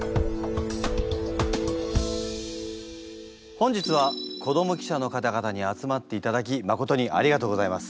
本日は子ども記者の方々に集まっていただき誠にありがとうございます。